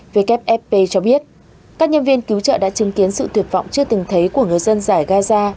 wfp cho biết các nhân viên cứu trợ đã chứng kiến sự tuyệt vọng chưa từng thấy của người dân giải gaza